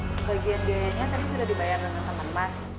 sebagian biayanya tadi sudah dibayar dengan teman mas